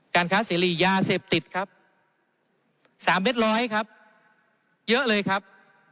การค้าเสรียาเสพติดครับ๓เม็ดร้อยครับเยอะเลยครับ